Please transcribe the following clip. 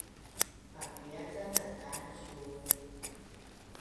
Papiia ca tacan suu?